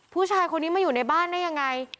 ผู้ชายคนนี้มาอยู่ในบ้านได้ยังไง